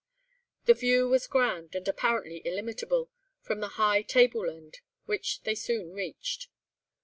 The view was grand, and apparently illimitable, from the high tableland which they soon reached.